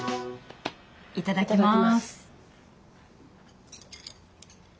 いただきます。